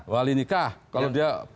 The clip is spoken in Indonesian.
wali nikah kalau dia